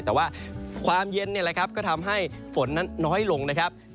แต่ว่าความเย็นก็ทำให้ฝนนั้นน้อยลงนะครับ